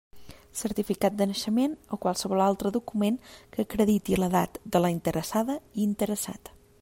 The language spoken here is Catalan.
Certificat de naixement o qualsevol altre document que acrediti l'edat de la interessada i interessat.